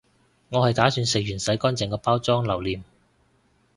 我係打算食完洗乾淨個包裝留念